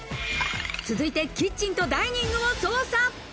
続いてキッチンとダイニングを捜査。